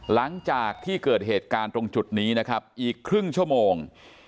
หลังจากที่เกิดเหตุการณ์ตรงจุดนี้นะครับอีกครึ่งชั่วโมง